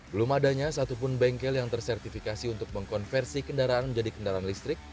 belum adanya satupun bengkel yang tersertifikasi untuk mengkonversi kendaraan menjadi kendaraan listrik